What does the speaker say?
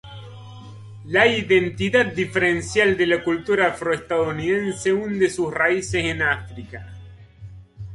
La identidad diferencial de la cultura afroestadounidense hunde sus raíces en África.